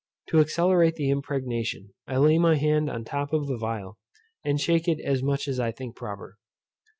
To accelerate the impregnation, I lay my hand on the top of the phial, and shake it as much as I think proper.